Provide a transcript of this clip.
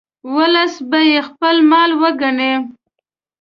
ولس به یې خپل مال وګڼي.